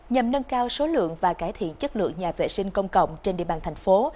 nhằm nâng cao số lượng và cải thiện chất lượng nhà vệ sinh công cộng trên địa bàn thành phố